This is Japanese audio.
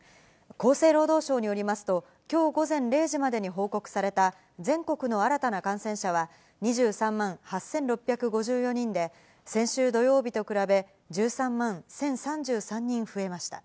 厚生労働省によりますと、きょう午前０時までに報告された全国の新たな感染者は２３万８６５４人で、先週土曜日と比べ１３万１０３３人増えました。